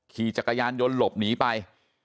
มันจะกระยานยนต์หลบหนีไป